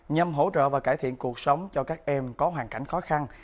nhằm hỗ trợ và cải thiện cuộc sống cho các em có hoàn cảnh khó khăn